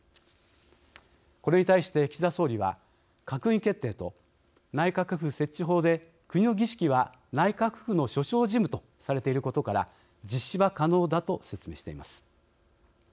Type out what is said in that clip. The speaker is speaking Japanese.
これに対して、岸田総理は閣議決定と内閣府設置法で国の儀式は内閣府の所掌事務とされていることから実施は可能だと説明しています。